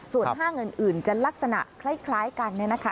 ส่วนห้างอื่นจะลักษณะคล้ายกันเนี่ยนะคะ